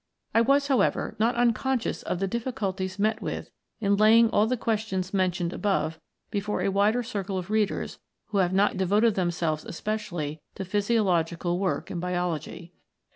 I was, however, PREFACE not unconscious of the difficulties met with in laying all the questions mentioned above before a wider circle of readers who have not devoted themselves especially to physiological work in biology.